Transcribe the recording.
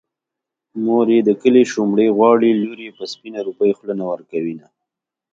مور يې د کلي شومړې غواړي لور يې په سپينه روپۍ خوله نه ورکوينه